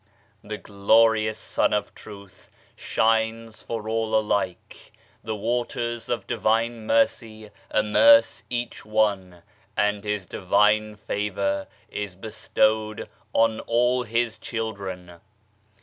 The glorious Sun of Truth shines for all alike, the Waters of Divine Mercy immerse each one, and His Divine Favour is bestowed on all His children.